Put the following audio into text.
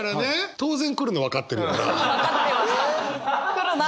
当然来るの分かってるよな？